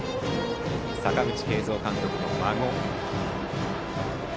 阪口慶三監督の孫。